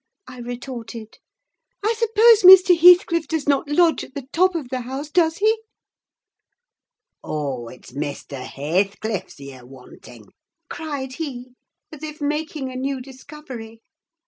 I retorted. "I suppose Mr. Heathcliff does not lodge at the top of the house, does he?" "Oh! it's Maister Hathecliff's ye're wanting?" cried he, as if making a new discovery.